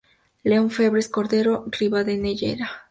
León Febres Cordero Ribadeneyra.